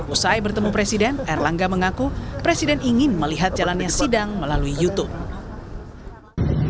usai bertemu presiden erlangga mengaku presiden ingin melihat jalannya sidang melalui youtube